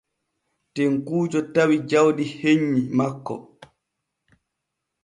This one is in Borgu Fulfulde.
Tekkuujo tawi jawdi hennyi makko.